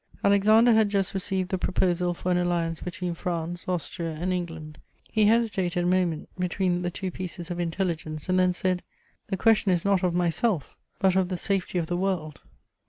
Alexander had just received the proposal for an alliance between France, Austria and England; he hesitated a moment between the two pieces of intelligence, and then said: "The question is not of myself, but of the safety of the world."